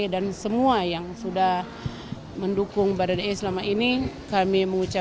dan semua yang sudah mendukung baradae selama ini kami mengucapkan